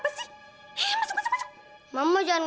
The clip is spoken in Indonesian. masuk masuk masuk masuk